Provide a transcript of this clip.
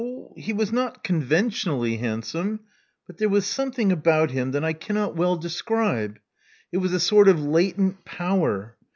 He was not conventionally handsome; but there was something about him that I cannot very well describe. It was a sort of latent power.